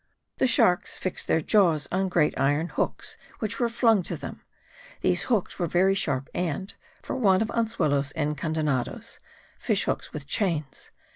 The sharks fixed their jaws on great iron hooks which were flung to them; these hooks were very sharp and (for want of anzuelos encandenados* (* Fish hooks with chains.))